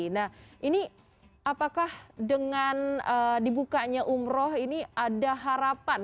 nah ini apakah dengan dibukanya umroh ini ada harapan